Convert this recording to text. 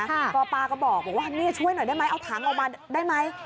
ก็ป้าก็บอกว่าเนี่ยช่วยหน่อยได้ไหมเอาถังออกมาได้ไหม